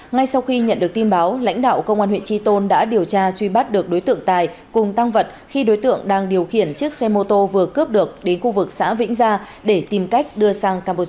ngay sau khi nhận được tin báo lãnh đạo công an huyện tri tôn đã điều tra truy bắt được đối tượng tài cùng tăng vật khi đối tượng đang điều khiển chiếc xe mô tô vừa cướp được đến khu vực xã vĩnh gia để tìm cách đưa sang campuchia